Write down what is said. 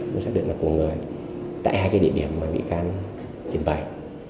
tôi xác định là của người tại hai cái địa điểm mà bị can trình bày